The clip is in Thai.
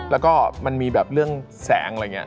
แล้วก็มันมีแบบเรื่องแสงอะไรอย่างนี้